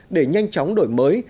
để nhanh chóng đổi mới